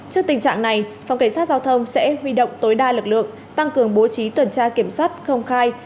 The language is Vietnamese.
trước tình trạng này phòng cảnh sát giao thông sẽ huy động tối đa lực lượng tăng cường bố trí tuần tra kiểm soát công khai